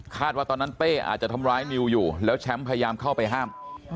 ว่าตอนนั้นเต้อาจจะทำร้ายนิวอยู่แล้วแชมป์พยายามเข้าไปห้าม